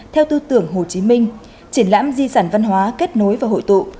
theo tư tưởng hồ chí minh triển lãm di sản văn hóa kết nối và hội tụ